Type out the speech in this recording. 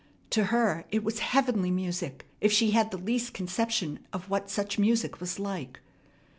To her it was heavenly music, if she had the least conception of what such music was like.